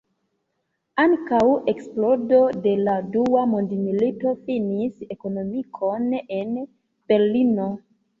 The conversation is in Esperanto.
Antaŭ eksplodo de la dua mondmilito finis ekonomikon en Berlino.